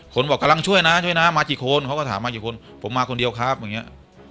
คนว่ากำลังช่วยนะนะมาสิคนข้อภารกิจคนผมมาคนเดียวครับไว้เนี่ย